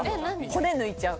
骨抜いちゃう。